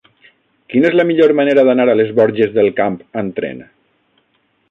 Quina és la millor manera d'anar a les Borges del Camp amb tren?